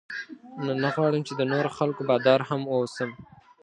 نو نه غواړم چې د نورو خلکو بادار هم واوسم.